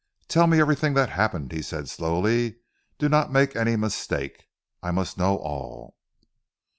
"Tell me everything that happened," he said slowly, "do not make any mistake. I must know all."